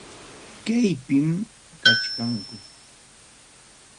Kaypim kachkanku.